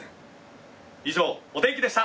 以上お天気でした。